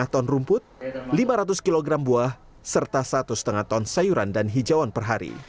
lima ton rumput lima ratus kg buah serta satu lima ton sayuran dan hijauan per hari